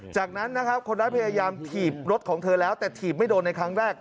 จากนั้นนะครับคนร้ายพยายามถีบรถของเธอแล้วแต่ถีบไม่โดนในครั้งแรก